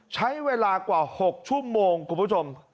ใช้เวลากว่า๖ชั่วโมงคุณผู้ชม